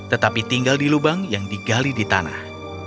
tetapi tinggal di lubang yang digali di tanah